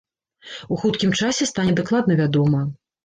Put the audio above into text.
У хуткім часе стане дакладна вядома.